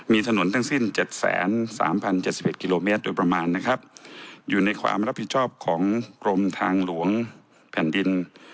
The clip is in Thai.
มีถนนทั้งสิ้นเจ็ดแสนสามพันเจ็ดสิบเอ็ดกิโลเมตรโดยประมาณนะครับอยู่ในความรับผิดชอบของกรมทางหลวงแผ่นดิน